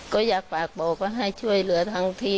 ก็อยากฝากบอกว่าให้ช่วยเหลือทั้งที